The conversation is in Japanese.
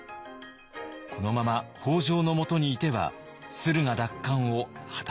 このまま北条のもとにいては駿河奪還を果たせない。